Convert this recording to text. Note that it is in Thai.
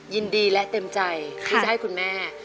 ยินดีและเต็มใจที่จะให้คุณแม่